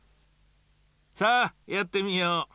さあやってみよう。